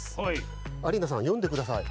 アリーナさんよんでください。